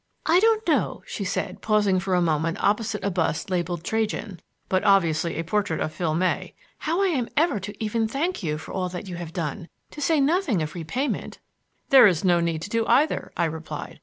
"I don't know," she said, pausing for a moment opposite a bust labelled "Trajan" (but obviously a portrait of Phil May), "how I am ever even to thank you for all that you have done, to say nothing of repayment." "There is no need to do either," I replied.